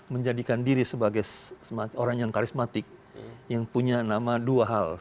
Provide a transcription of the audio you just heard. menjadikan diri sebagai orang yang karismatik yang punya nama dua hal